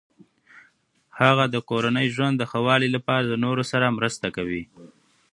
هغه د کورني ژوند د ښه والي لپاره د نورو سره مرسته کوي.